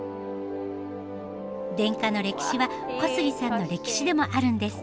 電化の歴史は小杉さんの歴史でもあるんです。